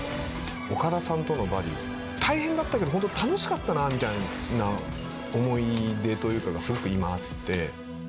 岡田さんとのバディ、大変だったけど、本当楽しかったなみたいな思い出というかが、すごく今あって。